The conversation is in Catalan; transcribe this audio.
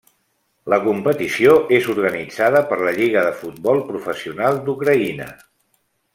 La competició és organitzada per la Lliga de Futbol Professional d'Ucraïna.